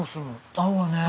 合うわね。